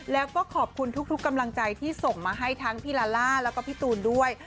แล้วก็ขอบคุณทุกกำลังใจที่ส่งมาให้ทั้งพี่ลาล่าแล้วก็พี่ตูนด้วย